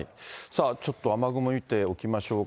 ちょっと雨雲見ておきましょうか。